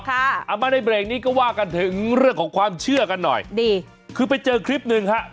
เอามาในเบรกนี้ก็ว่ากันถึงเรื่องของความเชื่อกันหน่อยดีคือไปเจอคลิปหนึ่งฮะ